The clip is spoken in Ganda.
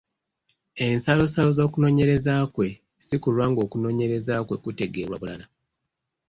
Ensalosalo z’okunoonyereza kwe si kulwa ng’okunoonyereza kwe kutegeerwa bulala.